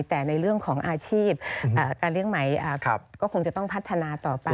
แต่ในเรื่องของอาชีพการเลี้ยงไหมก็คงจะต้องพัฒนาต่อไป